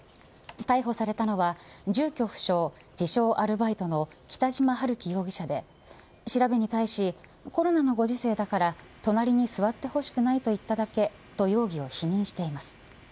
逮捕されたのは住居不詳、自称アルバイトの北島陽樹容疑者で調べに対しコロナのご時世だから隣に座ってほしくないと言っただけと容疑を否認しています。